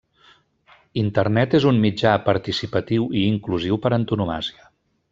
Internet és un mitjà participatiu i inclusiu per antonomàsia.